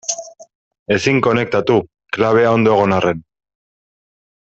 Ezin konektatu, klabea ondo egon arren.